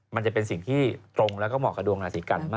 มันจะเป็นสิ่งที่ตรงแล้วก็เหมาะกับดวงราศีกันมาก